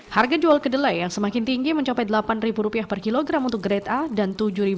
harga jual kedelai yang semakin tinggi mencapai delapan ribu rupiah per kilogram untuk grade a dan tujuh enam ratus